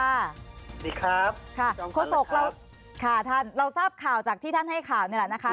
สวัสดีครับค่ะโฆษกเราค่ะท่านเราทราบข่าวจากที่ท่านให้ข่าวนี่แหละนะคะ